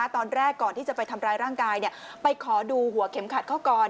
ตอนแรกก่อนที่จะไปทำร้ายร่างกายไปขอดูหัวเข็มขัดเขาก่อน